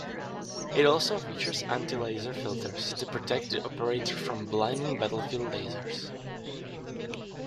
It also features anti-laser filters to protect the operator from blinding battlefield lasers.